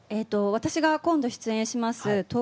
私が今度出演します